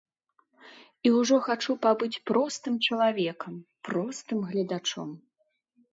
І ўжо хачу пабыць простым чалавекам, простым гледачом.